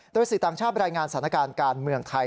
โดยสื่อต่างชาติรายงานสถานการณ์การเมืองไทย